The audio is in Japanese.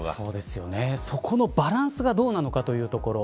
そこのバランスがどうなのかというところ。